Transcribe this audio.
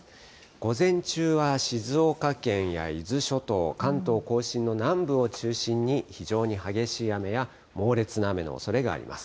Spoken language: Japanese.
午前中は静岡県や伊豆諸島、関東甲信の南部を中心に、非常に激しい雨や猛烈な雨のおそれがあります。